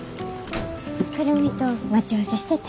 久留美と待ち合わせしてて。